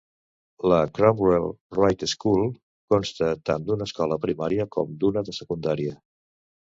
La Cromwell-Wright School consta tant d'una escola primària com d'una de secundària.